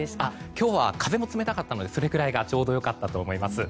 今日は風も冷たかったのでそれぐらいがちょうど良かったと思います。